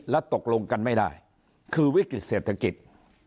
และตกลงกันไม่ได้คือวิกฤติเศรษฐกิจ